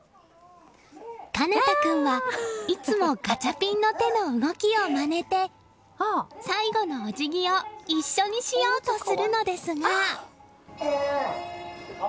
奏多君はいつもガチャピンの手の動きをまねて最後のお辞儀を一緒にしようとするのですが。